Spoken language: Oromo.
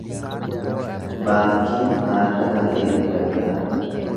Baankiin maallaqa eeguu danda’a.